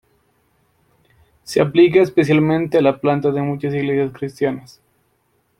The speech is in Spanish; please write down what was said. Se aplica especialmente a la planta de muchas iglesias cristianas.